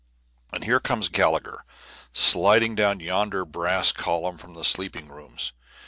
And here comes Gallagher, sliding down yonder brass column from the sleeping rooms.